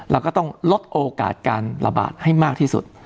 เราก็ต้องลดโอกาสการระบาดให้มากที่สุด